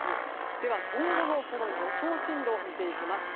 では、今後の予想進路を見ていきます。